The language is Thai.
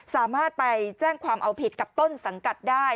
สามารถไปแจ้งความเอาผิดกับต้นสังกัดได้